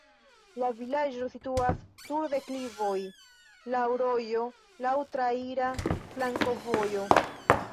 La vilaĝo situas sur deklivoj, laŭ rojo, laŭ traira flankovojo.